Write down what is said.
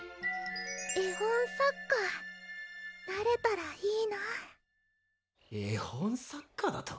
絵本作家なれたらいいなぁ絵本作家だと？